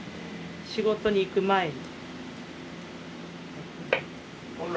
仕事に行く前に。